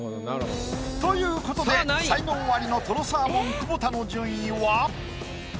ということで才能アリのとろサーモン久保田の順位は。